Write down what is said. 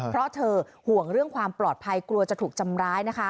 เพราะเธอห่วงเรื่องความปลอดภัยกลัวจะถูกทำร้ายนะคะ